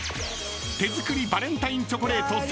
［手作りバレンタインチョコレート］